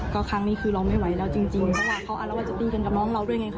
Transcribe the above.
ก็ครั้งนี้คือเราไม่ไหวแล้วจริง